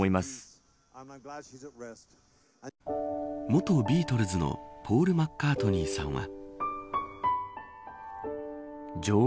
元ビートルズのポール・マッカートニーさんは。